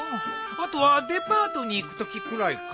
あとはデパートに行くときくらいか。